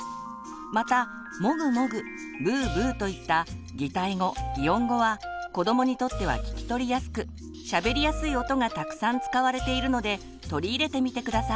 また「モグモグ」「ブーブー」といった擬態語擬音語は子どもにとっては聞き取りやすくしゃべりやすい音がたくさん使われているので取り入れてみて下さい。